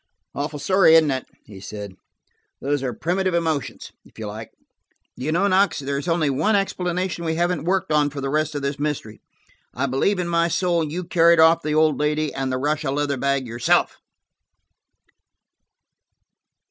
"Awful story, isn't it ?" he said. "Those are primitive emotions, if you like. Do you know, Knox, there is only one explanation we haven't worked on for the rest of this mystery–I believe in my soul you carried off the old lady and the Russia leather bag yourself!"